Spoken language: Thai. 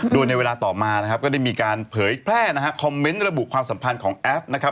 โดยในเวลาต่อมานะครับก็ได้มีการเผยแพร่นะฮะคอมเมนต์ระบุความสัมพันธ์ของแอฟนะครับ